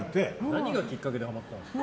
何がきっかけでハマったんですか？